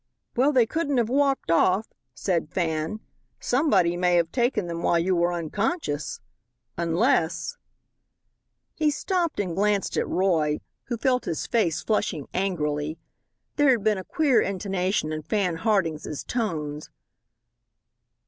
"Well, they couldn't have walked off," said Fan; "somebody may have taken them while you were unconscious. Unless " He stopped and glanced at Roy, who felt his face flushing angrily. There had been a queer intonation in Fan Harding's tones.